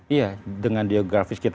iya dengan geografis kita